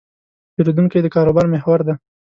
پیرودونکی د کاروبار محور دی.